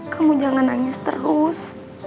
kamu jangan nangis terus